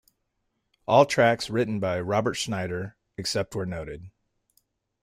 All tracks written by Robert Schneider except where noted.